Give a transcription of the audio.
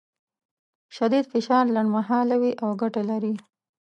شدید فشار لنډمهاله وي او ګټه لري.